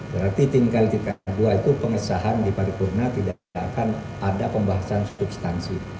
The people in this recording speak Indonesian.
berarti tinggal tingkat dua itu pengesahan di paripurna tidak akan ada pembahasan substansi